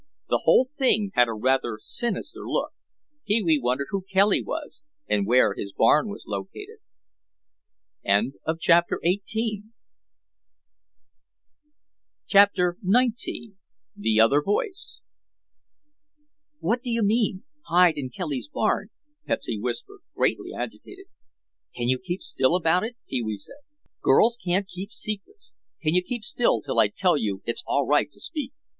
The whole thing had a rather sinister look. Pee wee wondered who Kelly was and where his barn was located. CHAPTER XIX THE OTHER VOICE "What do you mean, hide in Kelly's barn?" Pepsy whispered, greatly agitated. "Can you keep still about it?" Pee wee said. "Girls can't keep secrets. Can you keep still till I tell you it's all right to speak?"